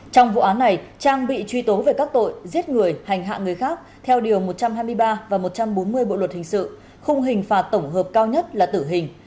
trong vụ án này trang bị truy tố về các tội giết người hành hạ người khác theo điều một trăm hai mươi ba và một trăm bốn mươi bộ luật hình sự khung hình phạt tổng hợp cao nhất là tử hình